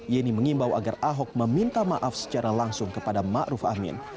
yeni mengimbau agar ahok meminta maaf secara langsung kepada ma'ruf amin